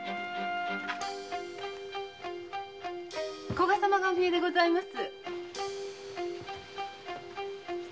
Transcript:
・古賀様がお見えでございます。